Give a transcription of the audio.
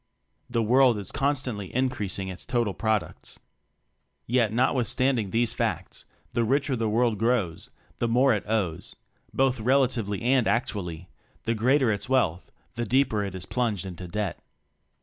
The world is constantly increasing its total products. Yet, notwithstanding these facts, the richer the world grows, the more it owes both relatively and actually; the greater its wealth, the deeper it is plunged in debt.